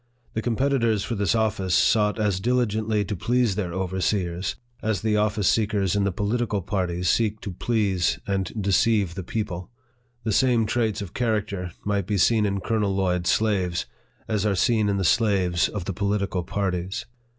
The competitors for this office sought as diligently to please their overseers, as the office seekers in the political parties seek to please and deceive the people. The same traits of character might be seen in Colonel Lloyd's slaves, as are seen in the slaves of the political parties.